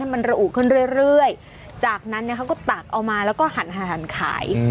มันระอุขึ้นเรื่อยจากนั้นเขาก็ตักเอามาแล้วก็หันขาย